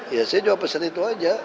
ya saya juga pesan itu aja